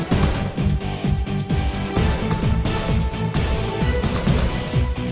masih mau lagi lo